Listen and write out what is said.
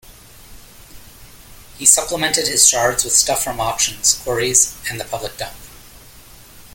He supplemented his shards with stuff from auctions, quarries and the public dump.